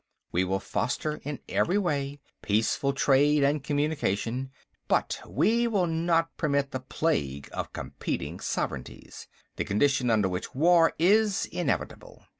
We will foster in every way peaceful trade and communication. But we will not again permit the plague of competing sovereignties, the condition under which war is inevitable.